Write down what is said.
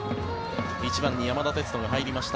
１番に山田哲人が入りました。